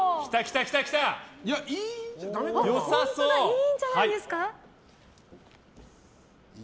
いいんじゃないですか。